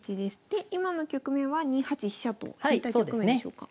で今の局面は２八飛車と引いた局面でしょうか？